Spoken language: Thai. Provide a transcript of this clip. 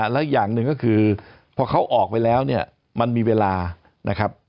และอีกอย่างหนึ่งก็คือพอเขาออกไปแล้วเนี่ยมันมีเวลานะครับ